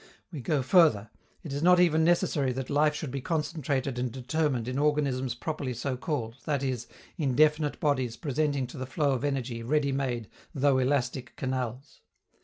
We go further: it is not even necessary that life should be concentrated and determined in organisms properly so called, that is, in definite bodies presenting to the flow of energy ready made though elastic canals.